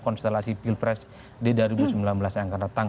konstelasi pilpres di dua ribu sembilan belas yang akan datang